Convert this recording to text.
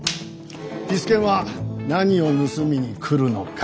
ピス健は何を盗みに来るのか。